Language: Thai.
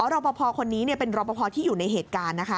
รอปภคนนี้เป็นรอปภที่อยู่ในเหตุการณ์นะคะ